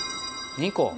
２個。